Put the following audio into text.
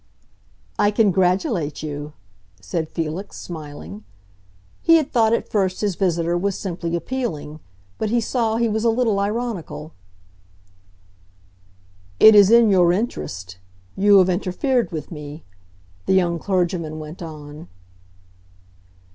"I congratulate you!" said Felix, smiling. He had thought at first his visitor was simply appealing; but he saw he was a little ironical. "It is in your interest; you have interfered with me," the young clergyman went on.